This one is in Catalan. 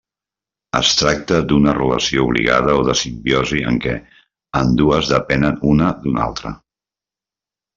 Es tracta d'una relació obligada o de simbiosi en què ambdues depenen una d'una altra.